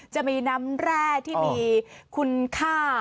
จะมีน้ำแร่ที่มีคุณค่า